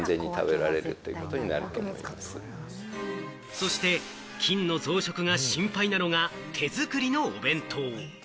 そして、菌の増殖が心配なのが手作りのお弁当。